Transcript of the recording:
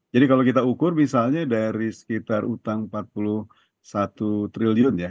jadi kalau kita ukur misalnya dari sekitar utang rp empat puluh satu triliun ya